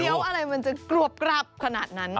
เดี๋ยวอะไรมันจะกรอบขนาดนั้น